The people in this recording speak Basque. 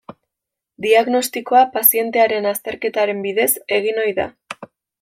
Diagnostikoa pazientearen azterketaren bidez egin ohi da.